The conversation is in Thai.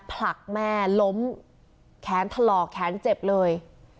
ผลักแม่ล้มแขนถลอกแขนเจ็บเลย